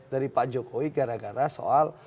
dari pak jokowi gara gara soal